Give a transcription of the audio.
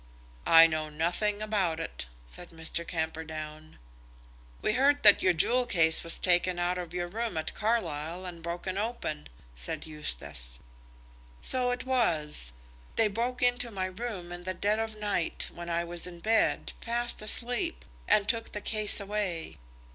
"I know nothing about it," said Mr. Camperdown. "We heard that your jewel case was taken out of your room at Carlisle and broken open," said Eustace. "So it was. They broke into my room in the dead of night, when I was in bed, fast asleep, and took the case away.